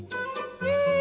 うん！